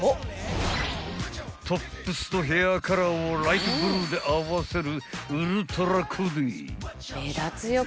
トップスとヘアカラーをライトブルーで合わせる］